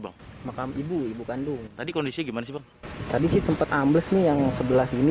hai makam ibu ibu kandung tadi kondisi gimana tadi sih sempet ambles nih yang sebelah sini